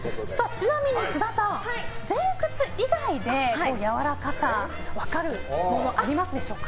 ちなみに須田さん前屈以外でやわらかさが分かるものはありますでしょうか。